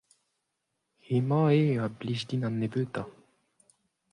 hemañ eo a blij din an nebeutañ.